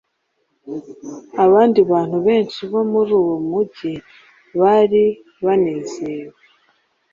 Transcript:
Abandi bantu benshi bo muri uwo mujyi bari banezewe